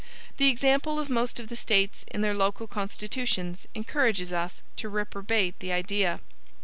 The example of most of the States in their local constitutions encourages us to reprobate the idea.